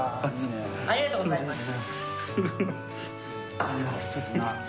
本当ありがとうございました。